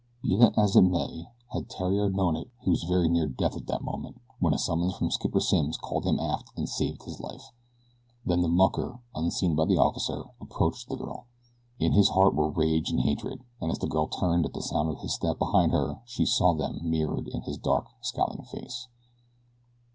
Be that as it may, had Theriere known it he was very near death that moment when a summons from Skipper Simms called him aft and saved his life. Then the mucker, unseen by the officer, approached the girl. In his heart were rage and hatred, and as the girl turned at the sound of his step behind her she saw them mirrored in his dark, scowling face.